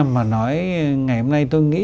mà nói ngày hôm nay tôi nghĩ